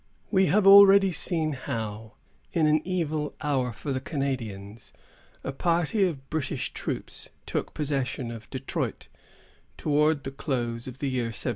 We have already seen how, in an evil hour for the Canadians, a party of British troops took possession of Detroit, towards the close of the year 1760.